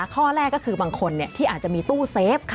ข้อแรกก็คือบางคนที่อาจจะมีตู้เซฟ